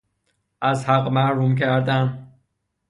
از حق محروم کردن